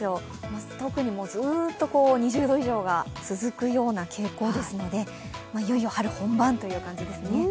特に２０度以上がずっと続くような傾向ですので、いよいよ春本番という感じですね。